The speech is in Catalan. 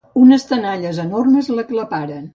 Unes tenalles enormes l'aclaparen.